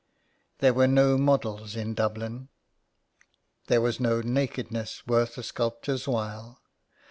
There were no models in Dublin. There was no nakedness worth a sculptor's while.